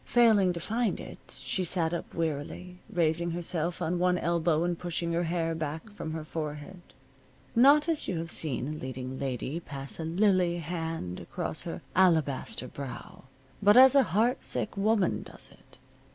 Failing to find it, she sat up wearily, raising herself on one elbow and pushing her hair back from her forehead not as you have seen a leading lady pass a lily hand across her alabaster brow, but as a heart sick woman does it.